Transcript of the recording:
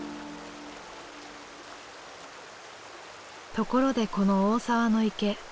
ところでこの大沢池。